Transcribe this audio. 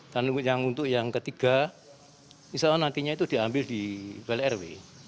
dan untuk yang ketiga misalnya nantinya itu diambil di plrw